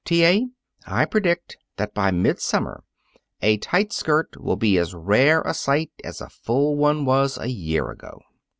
T. A., I predict that by midsummer a tight skirt will be as rare a sight as a full one was a year ago."